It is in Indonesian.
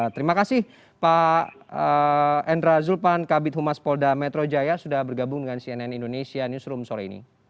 terima kasih pak endra zulpan kabit humas polda metro jaya sudah bergabung dengan cnn indonesia newsroom sore ini